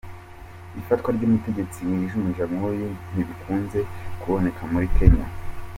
Ifatwa ry'umutegetsi wijunja nk'uyu, ntibikunze kuboneka muri Kenya.